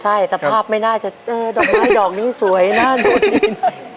ใช่สภาพไม่น่าจะดอกไม้ดอกนี้สวยน่าดูดี